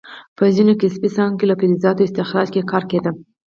په ځینو کسبي څانګو لکه فلزاتو استخراج کې کار کیده.